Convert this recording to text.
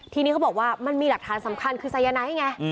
ทีนี้เขาบอกว่ามันมีหลักฐานสำคัญคือไซยาไนท์ไง